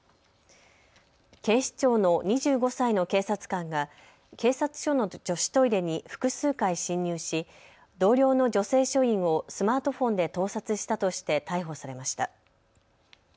警視庁の２５歳の警察官が警察署の女子トイレに複数回侵入し、同僚の女性署員をスマートフォンで盗撮したとして逮捕されました。